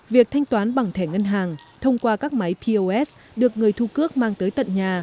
việc thanh toán bằng thẻ ngân hàng thông qua các máy pos được người thu cước mang tới tận nhà